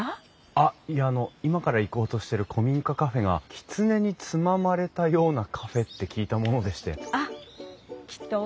あっいやあの今から行こうとしてる古民家カフェがきつねにつままれたようなカフェって聞いたものでして。